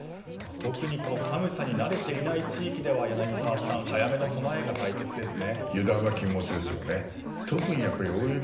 特にこの寒さに慣れていない地域では柳澤さん早めの備えが必要ですね。